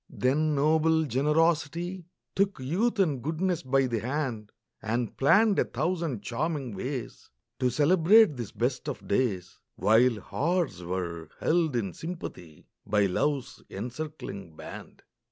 Then noble generosity Took youth and goodness by the hand, And planned a thousand charming ways To celebrate this best of days, While hearts were held in sympathy By love's encircling band.